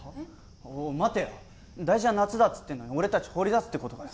おお待てよ大事な夏だっつってんのに俺達放り出すってことかよ